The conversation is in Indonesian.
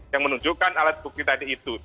yang menunjukkan alat bukti tadi itu